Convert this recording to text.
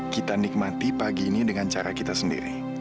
kita nikmati pagi ini dengan cara kita sendiri